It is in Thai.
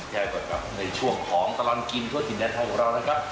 ก่อนกับในช่วงของตลอดกินทั่วถิ่นแดนไทยของเรานะครับ